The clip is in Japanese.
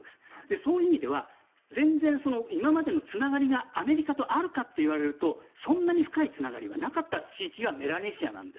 そういう意味では全然、今までのつながりがアメリカとあるかというとそんなに深いつながりはなかった地域がメラネシアなんです。